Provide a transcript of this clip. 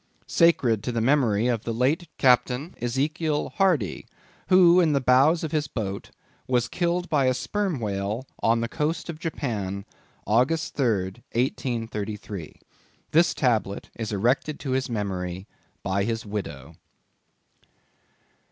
SACRED TO THE MEMORY OF The late CAPTAIN EZEKIEL HARDY, Who in the bows of his boat was killed by a Sperm Whale on the coast of Japan, August 3_d_, 1833. THIS TABLET Is erected to his Memory BY HIS WIDOW.